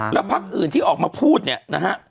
แล้วพักอื่นที่ออกมาพูดเนี่ยนะฮะ